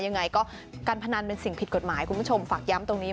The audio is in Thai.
ยังไงก็การพนันเป็นสิ่งผิดกฎหมายคุณผู้ชมฝากย้ำตรงนี้